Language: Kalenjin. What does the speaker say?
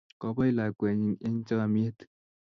Kopai lakwennyi eng' chamyet